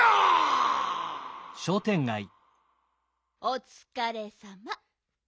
おつかれさま。